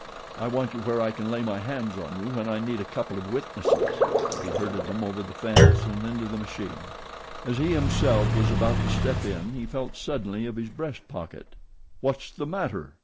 I want you where I can lay my hands on you when I need a couple of witnesses," and he herded them over the fence and into the machine. As he himself was about to step in he felt suddenly of his breast pocket. "What's the matter?"